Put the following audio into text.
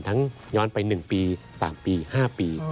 ทั้งย้อนไป๑ปี๓ปี๕ปี